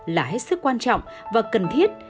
là hết sức quan trọng và cần thiết